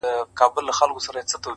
• خو کيسه نه ختمېږي هېڅکله,